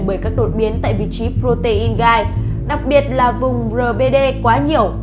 bởi các đột biến tại vị trí protein gai đặc biệt là vùng rbd quá nhiều